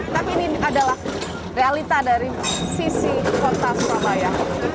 tapi ini adalah realita dari sisi kota surabaya